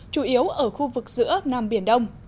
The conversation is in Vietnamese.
chủ yếu ở khu vực giữa nam biển đông